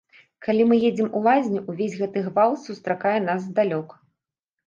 Калі мы едзем у лазню, увесь гэты гвалт сустракае нас здалёк.